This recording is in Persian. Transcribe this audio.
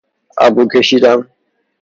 ابرو کشیدن